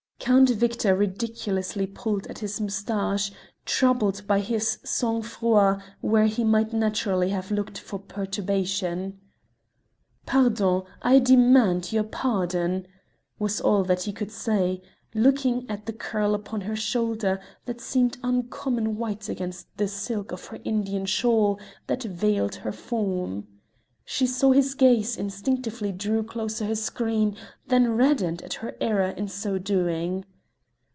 Count Victor ridiculously pulled at his moustache, troubled by this sang froid where he might naturally have looked for perturbation. "Pardon! I demand your pardon!" was all that he could say, looking at the curl upon her shoulder that seemed uncommon white against the silk of her Indian shawl that veiled her form. She saw his gaze, instinctively drew closer her screen, then reddened at her error in so doing.